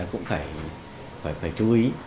nhưng mà tôi cũng phải chú ý